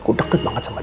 gue deket banget sama dia